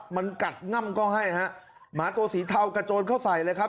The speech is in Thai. มันกัดง่ำก็ให้ฮะหมาตัวสีเทากระโจนเข้าใส่เลยครับ